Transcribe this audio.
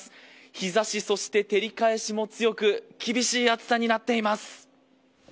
日差し、そして照り返しも強く厳しい暑さになっています。